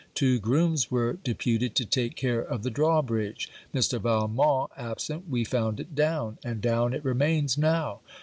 Two grooms were deputed to take care of the draw bridge. Mr. Valmont absent, we found it down; and down it remains now.